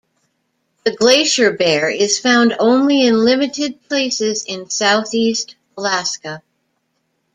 The glacier bear is found only in limited places in Southeast Alaska.